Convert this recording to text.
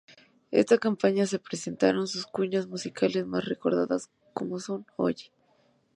En esta campaña se presentaron sus cuñas musicales más recordadas como son: "Oye!